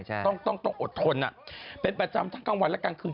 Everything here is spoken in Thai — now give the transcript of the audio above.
ใช่ต้องต้องอดทนเป็นประจำทั้งกลางวันและกลางคืน